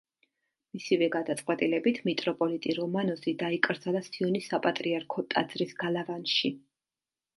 მისივე გადაწყვეტილებით მიტროპოლიტი რომანოზი დაიკრძალა სიონის საპატრიარქო ტაძრის გალავანში.